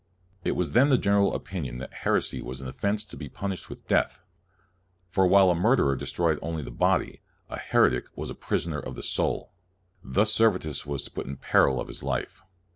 It was then the general opinion that heresy was an offense to be punished with death; for while a murderer destroyed only the body, a heretic was a poisoner of the soul. Thus Servetus was put in peril of his life.